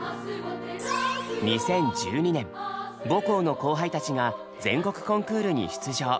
２０１２年母校の後輩たちが全国コンクールに出場。